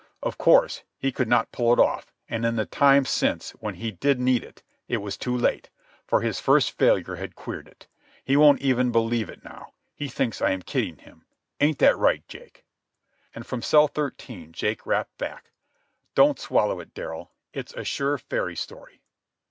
Of course, he could not pull it off, and in the times since when he did need it, it was too late, for his first failure had queered it. He won't even believe it now. He thinks I am kidding him. Ain't that right, Jake?" And from cell thirteen Jake rapped back, "Don't swallow it, Darrell. It's a sure fairy story."